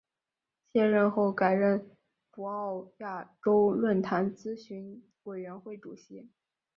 卸任后改任博鳌亚洲论坛咨询委员会主席。